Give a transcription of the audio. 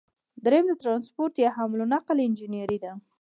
دریم د ټرانسپورټ یا حمل او نقل انجنیری ده.